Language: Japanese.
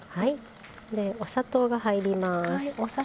お砂糖が入ります。